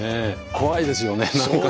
怖いですよねなんかね。